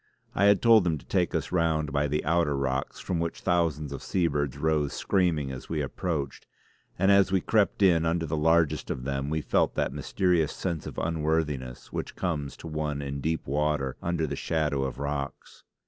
I had told him to take us round by the outer rocks from which thousands of seabirds rose screaming as we approached; and as we crept in under the largest of them we felt that mysterious sense of unworthiness which comes to one in deep water under the shadow of rocks.